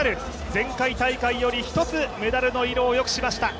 前回大会より１つ、メダルの色を良くしました。